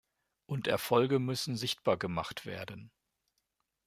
Und Erfolge müssen sichtbar gemacht werden.